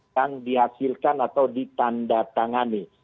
yang dihasilkan atau ditanda tangani